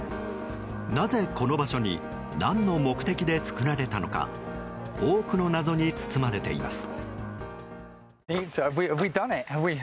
なぜ、この場所に何の目的で作られたのか多くの謎に包まれています。